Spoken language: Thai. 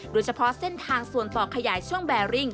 โดยเฉพาะเส้นทางส่วนต่อขยายช่วงแบริ่ง